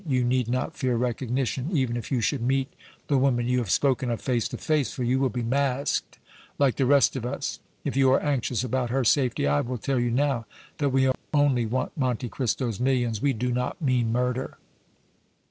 You need not fear recognition, even if you should meet the woman you have spoken of face to face, for you will be masked like the rest of us. If you are anxious about her safety, I will tell you now that we only want Monte Cristo's millions; we do not mean murder."